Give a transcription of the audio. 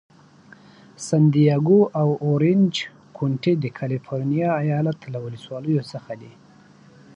سن دیاګو او اورینج کونټي د کالفرنیا ایالت له ولسوالیو څخه دي.